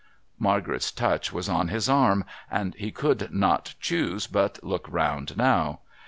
Margaret's touch was on his arm, and he could not choose but lock round now.